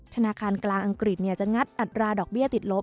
ธนาคารกลางอังกฤษจะงัดอัตราดอกเบี้ยติดลบ